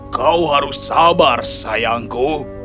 kau harus sabar sayangku